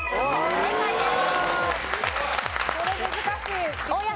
正解です。